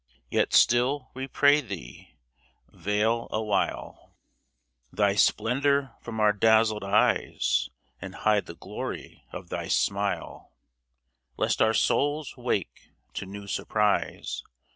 Yet still, we pray thee, veil awhile Thy splendor from our dazzled eyes And hide the glory of thy smile, Lest our souls wake to new surprise